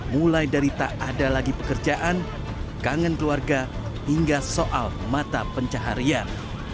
mulai dari tak ada lagi pekerjaan kangen keluarga hingga soal mata pencaharian